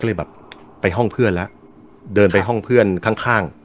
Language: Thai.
ก็เลยไปห้องเพื่อนแล้วเดินไปห้องเพื่อนข้าง